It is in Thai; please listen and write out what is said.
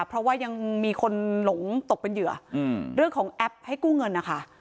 เพราะว่ายังมีคนหลงตกเป็นเหยื่อเรื่องของแอปให้กู้เงินนะคะ